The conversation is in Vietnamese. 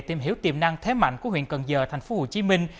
tìm hiểu tiềm năng thế mạnh của huyện cần giờ thành phố hồ chí minh